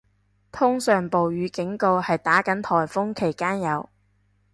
通常暴雨警告係打緊風期間有